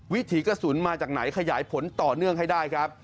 วิถีกระสุนมาจากไหนขยายผลต่อเนื่องให้ได้ครับ